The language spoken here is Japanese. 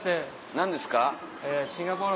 何ですか？